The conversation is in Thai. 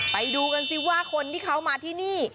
ไปดูกันสิว่าคนที่เขามาที่นี่